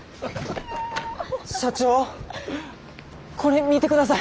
社長これ見てください。